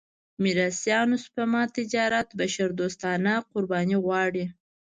میراثيانو سپما تجارت بشردوستانه قرباني غواړي.